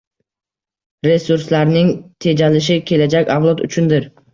Resurslarning tejalishi kelajak avlod uchundir.